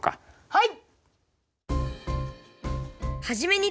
はい！